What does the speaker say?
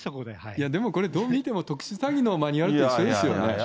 いや、でもこれ、どう見ても特殊詐欺のマニュアルと一緒ですよね。